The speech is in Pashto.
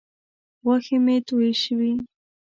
غوښې مې تویې شوې.